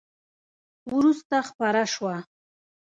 وروسته خپره شوه !